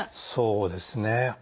そうですね。